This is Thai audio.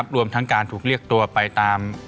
รวมทั้งการถูกเรียกตัวไปตาม